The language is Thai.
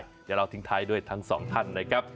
เดี๋ยวเราทิ้งท้ายด้วยทั้งสองท่านนะครับ